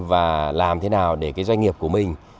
và làm thế nào để cái doanh nghiệp của mình